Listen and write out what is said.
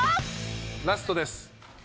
ラストです。